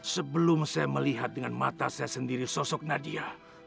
sebelum saya melihat dengan mata saya sendiri sosok nadia